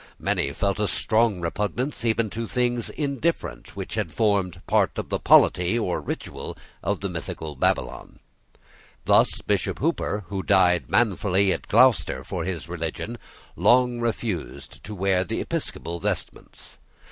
Many felt a strong repugnance even to things indifferent which had formed part of the polity or ritual of the mystical Babylon. Thus Bishop Hooper, who died manfully at Gloucester for his religion, long refused to wear the episcopal vestments.